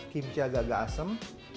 kimchi agak agak asem